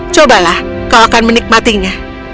cobalah kau akan menikmatinya